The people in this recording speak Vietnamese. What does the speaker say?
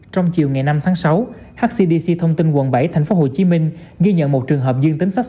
trong chiều ngày năm tháng sáu hcdc thông tin quận bảy tp hcm ghi nhận một trường hợp dương tính sars